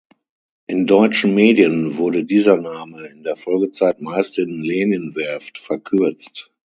In deutschen Medien wurde dieser Name in der Folgezeit meist in "Lenin-Werft" verkürzt.